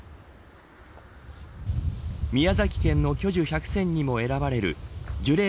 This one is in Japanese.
宮崎県の巨樹１００選にも選ばれる樹齢